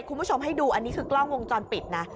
คุณผู้ชมให้ดูอันนี้คือกล้องวงจรปิดนะ